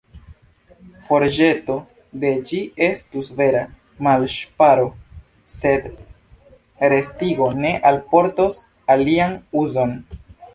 Forĵeto de ĝi estus vera malŝparo, sed restigo ne alportos alian uzon.